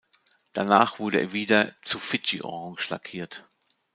Danach wurde er wieder zu "fidji-orange lackiert.